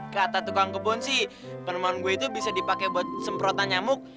kata tukang kebun sih penemuan gue itu bisa dipakai buat semprotan nyamuk